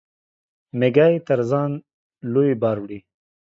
مېږى تر ځان لوى بار وړي.